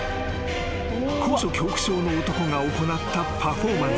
［高所恐怖症の男が行ったパフォーマンス］